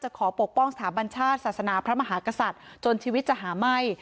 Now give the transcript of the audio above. ขอปกป้องสถาบันชาติศาสนาพระมหากษัตริย์จนชีวิตจะหาไหม้